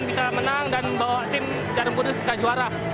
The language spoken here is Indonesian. bisa menang dan membawa tim jarempudus bisa juara